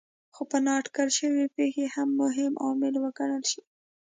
خو په نااټکل شوې پېښې هم مهم عامل وګڼل شي.